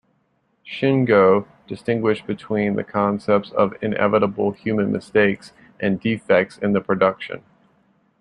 Shingo distinguished between the concepts of inevitable human mistakes and defects in the production.